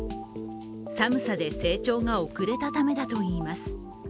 寒さで成長が遅れたためだといいます。